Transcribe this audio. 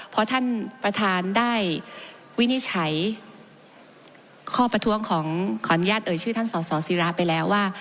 เพราะท่านประธานได้วินิจฉัยข้อประท้วงของขออนุญาตเอ่ยชื่อท่านสอสอศิราไปแล้วว่า